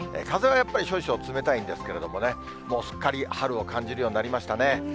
風はやっぱり少々冷たいんですけれどもね、もうすっかり春を感じるようになりましたね。